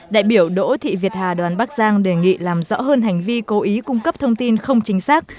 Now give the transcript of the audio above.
đại biểu đỗ thị việt hà đoàn bắc giang đề nghị làm rõ hơn hành vi cố ý cung cấp thông tin không chính xác